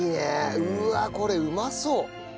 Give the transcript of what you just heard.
うわあこれうまそう！